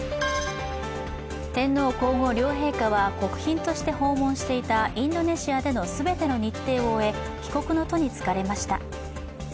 天皇皇后両陛下は国賓として訪問していたインドネシアでの全ての日程を終え、帰国の途につかれました。